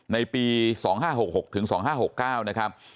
ในปี๒๕๖๖ถึง๒๕๖๙